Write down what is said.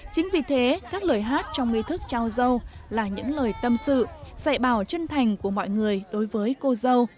chính vì thế các lời hát trong nghi thức trao dâu là những lời tâm sự dạy bảo chân thành của mọi người đối với cô dâu